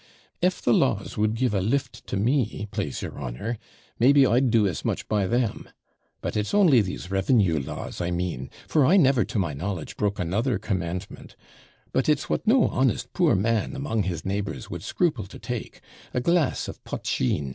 'If the laws would give a lift to me, plase your honour, maybe I'd do as much by them. But it's only these revenue laws I mean; for I never, to my knowledge, broke another commandment; but it's what no honest poor man among his neighbours would scruple to take a glass of POTSHEEN.'